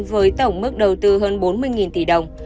với tổng mức đầu tư hơn bốn mươi tỷ đồng